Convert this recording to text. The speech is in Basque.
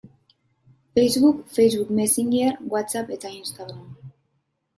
Facebook, Facebook Messenger, Whatsapp eta Instagram.